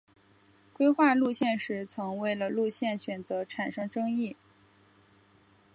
规划路线时曾为了路线选择产生争议。